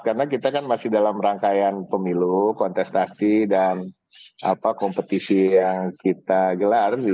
karena kita kan masih dalam rangkaian pemilu kontestasi dan kompetisi yang kita gelar